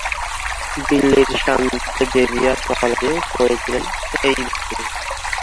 দিল্লির শান্ত জেভিয়ার কলেজে পড়েছিলেন এই ব্যক্তি।